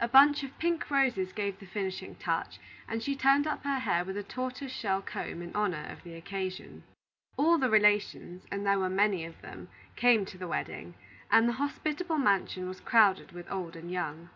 A bunch of pink roses gave the finishing touch, and she turned up her hair with a tortoise shell comb in honor of the occasion. All the relations and there were many of them came to the wedding, and the hospitable mansion was crowded with old and young.